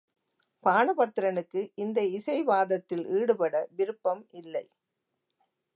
பாணபத்திரனுக்கு இந்த இசைவாதத்தில் ஈடுபட விருப்பம் இல்லை.